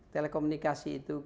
telekomunikasi itu kan